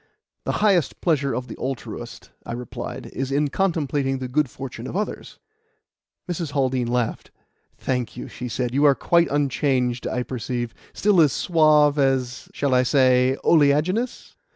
"The highest pleasure of the altruist," I replied, "is in contemplating the good fortune of others." Mrs. Haldean laughed. "Thank you," she said. "You are quite unchanged, I perceive. Still as suave and as shall I say oleaginous?"